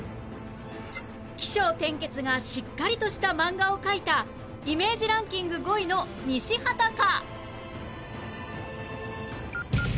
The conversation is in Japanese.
起承転結がしっかりとした漫画を描いたイメージランキング５位の西畑か？